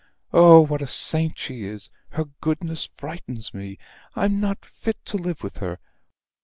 "Oh, what a saint she is! Her goodness frightens me. I'm not fit to live with her.